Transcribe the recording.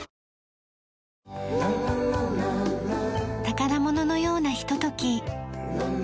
宝物のようなひととき。